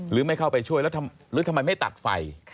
หรือไม่เข้าไปช่วยแล้วหรือทำไมไม่ตัดไฟ